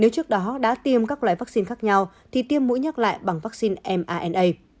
nếu trước đó đã tiêm các loại vaccine khác nhau thì tiêm mũi nhắc lại bằng vaccine mna